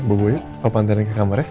bu boyo papa anterin ke kamarnya